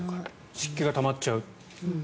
湿気がたまっちゃう。